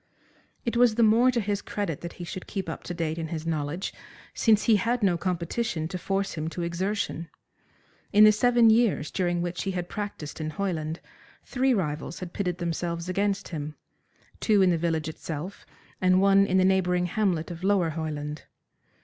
It was the more to his credit that he should keep up to date in his knowledge, since he had no competition to force him to exertion. In the seven years during which he had practised in Hoyland three rivals had pitted themselves against him, two in the village itself and one in the neighbouring hamlet of Lower Hoyland.